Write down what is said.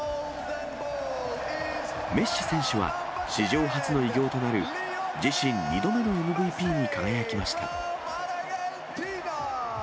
メッシ選手は、史上初の偉業となる自身２度目のＭＶＰに輝きました。